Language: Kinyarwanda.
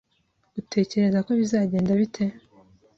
Utekereza ko bizagenda bite?